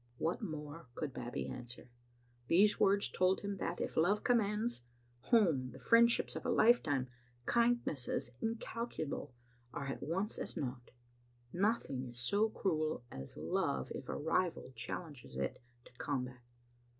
What more could Babbie answer? These words told him that, if love commands, home, the friendships of a lifetime, kindnesses incalculable, are at once as naught. Nothing is so cruel as love if a rival challenges it to combat.